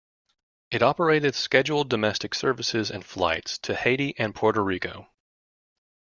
It operated scheduled domestic services and flights to Haiti and Puerto Rico.